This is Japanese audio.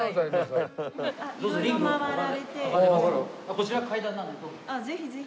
こちら階段なんでどうぞ。